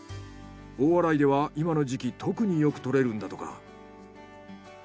大洗では今の時期特によく獲れるんだとか。